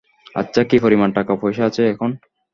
আচ্ছা কি পরিমান টাকা পয়সা আছে এখন?